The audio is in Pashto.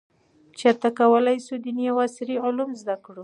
چیرته کولای شو دیني او عصري علوم زده کړو؟